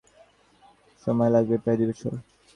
জাহাজটির নির্মাণকাজ শেষ হতে সময় লাগবে প্রায় দুই বছর।